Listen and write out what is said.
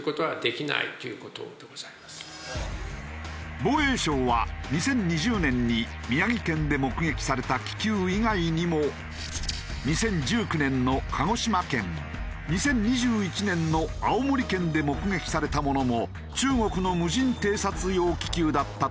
防衛省は２０２０年に宮城県で目撃された気球以外にも２０１９年の鹿児島県２０２１年の青森県で目撃されたものも中国の無人偵察用気球だったと推定している。